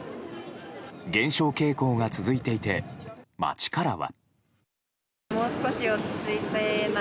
減少傾向が続いていて街からは。